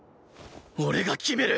俺が決める！